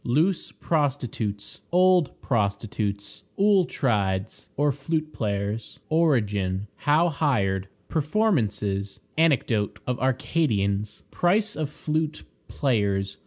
Loose Prostitutes. Old Prostitutes. Auletrides, or Flute players. Origin. How hired. Performances. Anecdote of Arcadians. Price of Flute players.